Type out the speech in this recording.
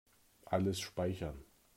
Alles speichern.